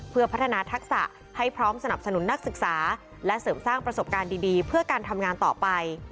เพื่อพัฒนาทักษะให้พร้อมสนับสนุนนักศึกษาและเสริมสร้างประสบการณ์ดีเพื่อการทำงานต่อไป